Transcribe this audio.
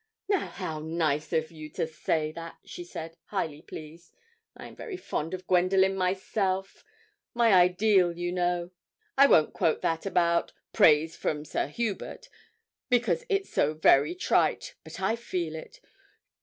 'Now, how nice of you to say that,' she said, highly pleased. 'I am very fond of Gwendoline myself my ideal, you know. I won't quote that about "praise from Sir Hubert," because it's so very trite, but I feel it.